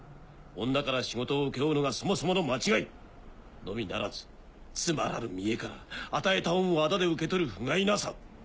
女から仕事を請け負うのがそもそもの間違い！のみならずつまらぬ見えから与えた恩を仇で受け取るふがいなさ！